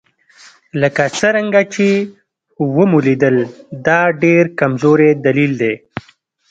لکه څرنګه چې ومو لیدل دا ډېر کمزوری دلیل دی.